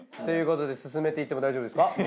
ということで進めていっても大丈夫ですか？